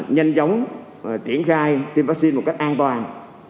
nhanh chóng và triển khai tiêm vaccine một cách an toàn